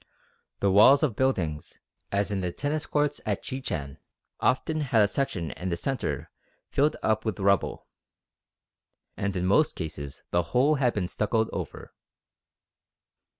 The walls of buildings, as in the Tennis Court at Chichen, often had a section in the centre filled up with rubble. And in most cases the whole had been stuccoed over.